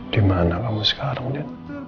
dimana kamu sekarang di